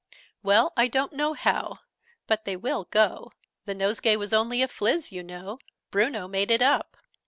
"Well, I don't know how. But they will go. The nosegay was only a Phlizz, you know. Bruno made it up."